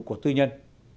của tư nhân